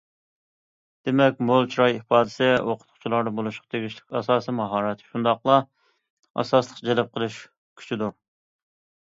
دېمەك، مول چىراي ئىپادىسى ئوقۇتقۇچىلاردا بولۇشقا تېگىشلىك ئاساسىي ماھارەت شۇنداقلا ئاساسلىق جەلپ قىلىش كۈچىدۇر.